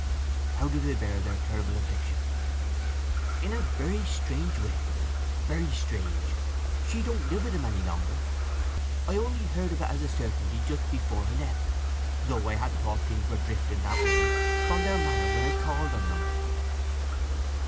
How do they bear their terrible affliction?" "In a ve ry strange way—ve ry strange! She don't live with him any longer. I only heard of it as a certainty just before I left; though I had thought things were drifting that way from their manner when I called on them."